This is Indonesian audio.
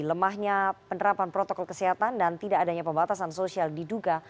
lemahnya penerapan protokol kesehatan dan tidak adanya pembatasan sosial diduga